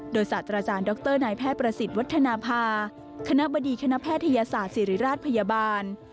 โดยศาสตราจารย์ดรนายแพทย์ประสิทธิ์วัฒนภาคณะบดีคณะแพทยศาสตร์ศิริราชพยาบาล